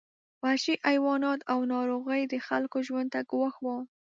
وحشي حیوانات او ناروغۍ د خلکو ژوند ته ګواښ وو.